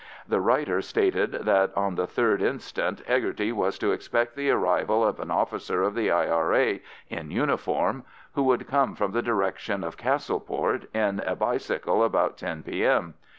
The writer stated that on the 3rd inst. Hegarty was to expect the arrival of an officer of the I.R.A. in uniform, who would come from the direction of Castleport on a bicycle about 10 P.M.